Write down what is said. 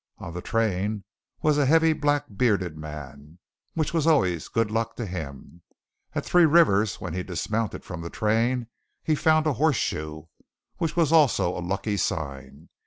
On the train was a heavy black bearded man, which was always good luck to him. At Three Rivers, when he dismounted from the train, he found a horseshoe, which was also a lucky sign.